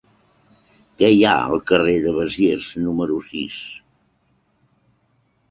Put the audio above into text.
Què hi ha al carrer de Besiers número sis?